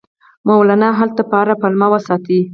مولنا هلته په هره پلمه وساتي.